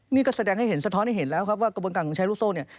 นี่ก็แสดงให้เห็นสะท้อนให้เห็นแล้วครับว่ากระบวนการของใช้ลูกโซ่เนี่ย